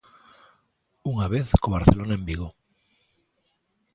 Unha vez co Barcelona en Vigo.